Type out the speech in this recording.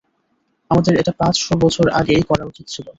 আমাদের এটা পাঁচশ বছর আগেই করা উচিত ছিল।